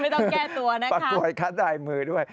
ต้องแก้ตัวนะคะประกวยคะดายมือด้วย